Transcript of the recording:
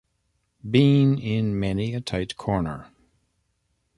Been in many a tight corner.